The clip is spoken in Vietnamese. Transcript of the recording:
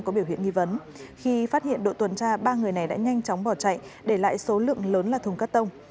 khi phát hiện đội tuần tra ba người này đã nhanh chóng bỏ chạy để lại số lượng lớn là thùng cắt tông